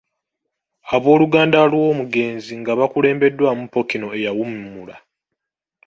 Abooluganda lw’omugenzi nga bakulembeddwamu Ppookino eyawummula.